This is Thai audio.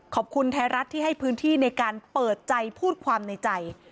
ขอบคุณไทยรัฐที่ให้พื้นที่ในการเปิดใจพูดความในใจ